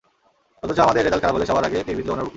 অথচ আমাদের রেজাল্ট খারাপ হলে সবার আগে তীর বিঁধল ওনার বুকে।